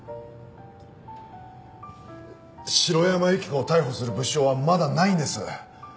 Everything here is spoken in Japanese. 城山由希子を逮捕する物証はまだないんです！